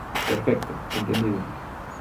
Perfecto, entendido.